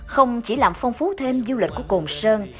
không chỉ làm phong phú thêm du lịch của cồn sơn